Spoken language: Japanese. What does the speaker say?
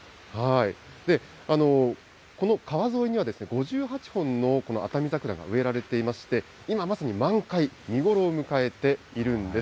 この川沿いには５８本のこのあたみ桜が植えられていまして、今まさに満開、見頃を迎えているんです。